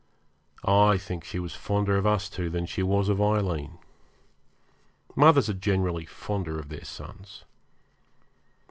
I think she was fonder of us two than she was of Aileen. Mothers are generally fonder of their sons.